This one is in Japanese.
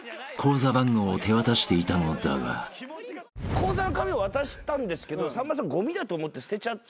口座の紙を渡したんですけどさんまさんごみだと思って捨てちゃったって言って。